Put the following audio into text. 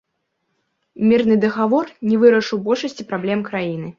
Мірны дагавор не вырашыў большасці праблем краіны.